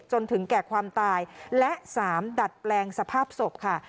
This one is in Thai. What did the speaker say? จนถึงแก่ความตายและสามดัดแปลงสภาพศพค่ะ